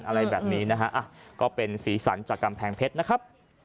อะไรแบบนี้นะฮะก็เป็นสีสันจากกำแพงเพชรนะครับ